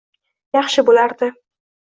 Yaxshi bo‘lardi.